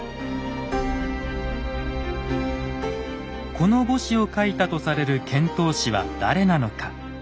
この墓誌を書いたとされる遣唐使は誰なのか。